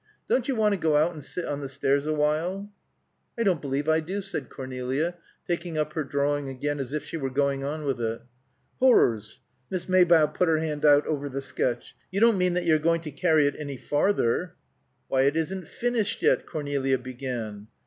Don't you want to go out and sit on the stairs awhile?" "I don't believe I do," said Cornelia, taking up her drawing again, as if she were going on with it. "Horrors!" Miss Maybough put her hand out over the sketch. "You don't mean that you're going to carry it any farther?" "Why, it isn't finished yet," Cornelia began.